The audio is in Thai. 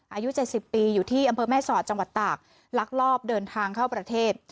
อายุ๗๐ปีอยู่ที่อำเภอแม่สอดจังหวัดตากลักลอบเดินทางเข้าประเทศ